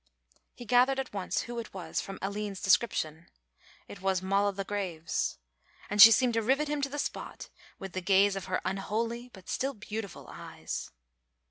He gathered at once who it was from Aline's description. It was "Moll o' the graves," and she seemed to rivet him to the spot with the gaze of her unholy, but still beautiful eyes.